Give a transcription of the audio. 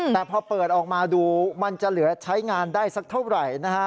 แต่พอเปิดออกมาดูมันจะเหลือใช้งานได้สักเท่าไหร่นะฮะ